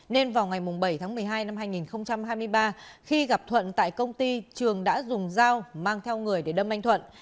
nên vào ngày bảy tháng một mươi hai năm hai nghìn hai mươi ba khi gặp thuận tại công ty trường đã dùng dao mang theo người để đâm anh thuận